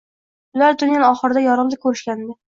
Ular tunnel oxirida yorug`lik ko`rishgandi